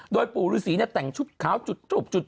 โดยปู่ฤษีแต่งชุดขาวจุดทูบจุด